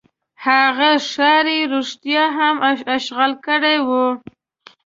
هغه ښار یې رښتیا هم اشغال کړی وو.